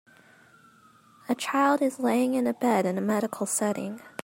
A child is laying in a bed in a medical setting.